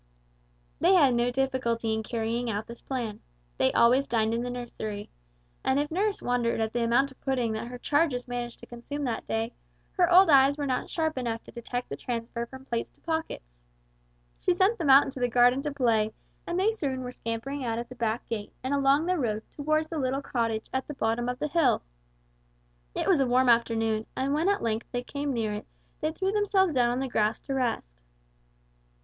They had no difficulty in carrying out this plan. They always dined in the nursery, and if nurse wondered at the amount of pudding that her charges managed to consume that day, her old eyes were not sharp enough to detect the transfer from plates to pockets. She sent them out into the garden to play, and they soon were scampering out of the back gate and along the road toward the little cottage at the bottom of the hill. It was a warm afternoon, and when they at length came near it they threw themselves down on the grass to rest.